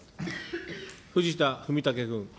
藤田文武君。